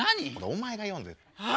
お前が読んでよ。